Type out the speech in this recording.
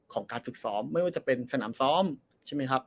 การฝึกซ้อมไม่ว่าจะเป็นสนามซ้อมใช่ไหมครับ